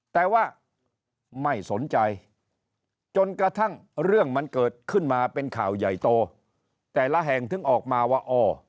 แต่ว่าไม่สนใจจนกระทั่งเรื่องมันเกิดขึ้นมาเป็นข่าวใหญ่โตแต่ละแห่งถึงออกมาว่าอ๋อ